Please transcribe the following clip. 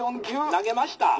「投げました」。